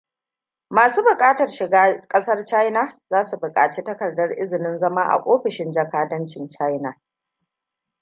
Masu bukatar shiga kasar China zasu bukaci takardar izinin zama a offishin jakadancin China.